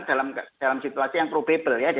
dalam situasi yang probable